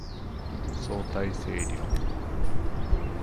相対性理論